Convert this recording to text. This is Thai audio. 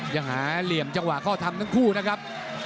ยังหาเหลี่ยมจังหวะข้อทำทั้งคู่นะครับ